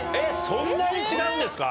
そんなに違うんですか？